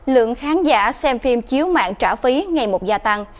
lượng khán giả xem phim chiếu mạng trả phí ngày một gia tăng